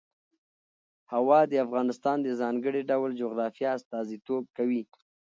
هوا د افغانستان د ځانګړي ډول جغرافیه استازیتوب کوي.